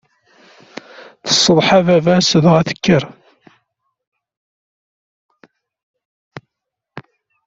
Tsetḥa baba-s, dɣa tekker.